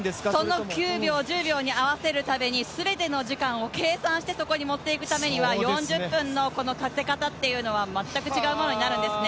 その９秒、１０秒に合わせるために全ての時間を計算してそこに持っていくためには４０分の立て方というのは、全く違うものになるんですね。